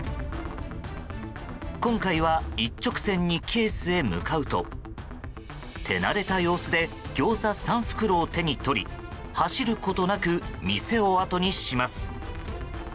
今回は一直線にケースに向かうと手慣れた様子でギョーザ３袋を手に取り走ることなく店をあとにします。